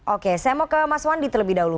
oke saya mau ke mas wandi terlebih dahulu